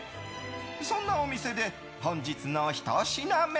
そんなお店で、本日のひと品目。